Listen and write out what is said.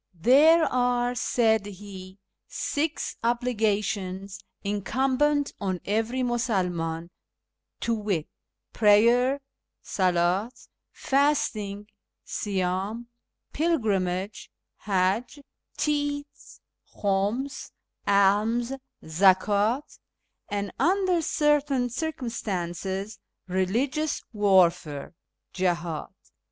" There are," said he, " six obligations incumbent on every ]\Iusulman, to wit, Prayer {soldi), Fasting (siydni), Pilgrimage Qiajj), Tithes (khiims), Alms {zakdt), and, under certain cir cumstances, Eeligious Warfare (jihdd).